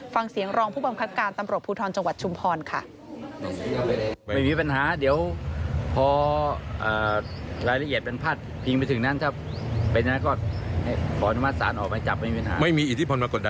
ฟังเสียงรองผู้บังคับการตำรวจภูทรจังหวัดชุมพรค่ะ